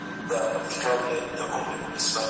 زه پرون سبزېجات جمع کړل!!